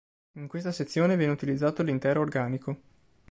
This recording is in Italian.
In questa sezione viene utilizzato l’intero organico.